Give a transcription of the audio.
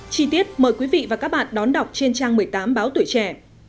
chi tiết mời quý vị và các bạn đón đọc trên trang một mươi tám báo tuổi trẻ